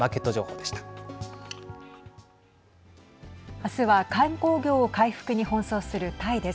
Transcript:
明日は観光業を回復に奔走するタイです。